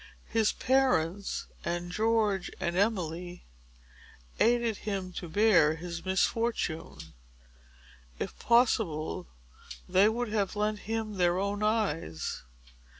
His parents, and George and Emily, aided him to bear his misfortune; if possible, they would have lent him their own eyes.